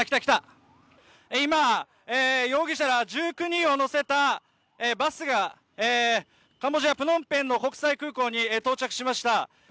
今、容疑者ら１９人を乗せたバスがカンボジア・プノンペンの国際空港に到着しました。